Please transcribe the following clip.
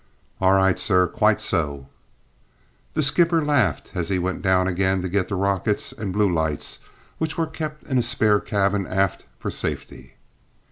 "All right, sir; quite so!" The skipper laughed as he went down again to get the rockets and blue lights which were kept in a spare cabin aft for safety.